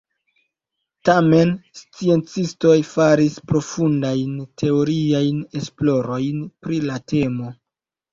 Tamen sciencistoj faris profundajn teoriajn esplorojn pri la temo.